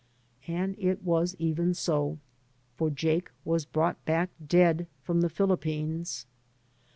And it was even so; for Jake was brought back dead from the Philippines.